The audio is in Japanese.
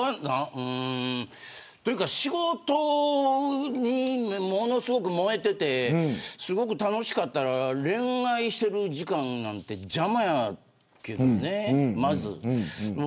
仕事にすごく燃えていて楽しかったら恋愛してる時間なんて邪魔やけどね、まず。